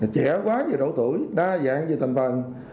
trẻ quá về độ tuổi đa dạng về thành phần